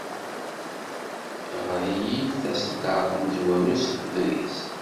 Ɣer-iyi-d taseddart tamezwarut seg uḍris.